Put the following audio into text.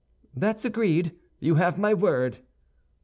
"That's agreed; you have my word."